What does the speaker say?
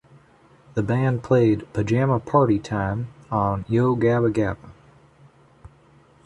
The band played "Pajama Party Time" on "Yo Gabba Gabba!